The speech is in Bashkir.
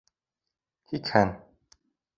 Һикһән